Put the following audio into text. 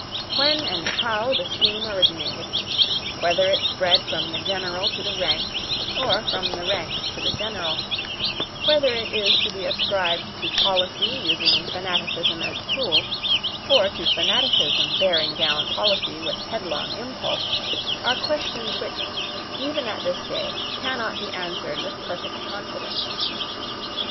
When and how the scheme originated; whether it spread from the general to the ranks, or from the ranks to the general; whether it is to be ascribed to policy using fanaticism as a tool, or to fanaticism bearing down policy with headlong impulse, are questions which, even at this day, cannot be answered with perfect confidence.